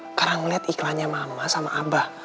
sekarang ngeliat iklannya mama sama abah